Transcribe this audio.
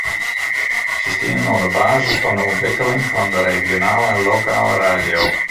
Se stienen oan de basis fan de ûntwikkeling fan de regionale en lokale radio.